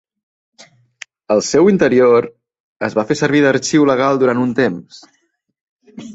El seu interior es va fer servir d'arxiu legal durant un temps.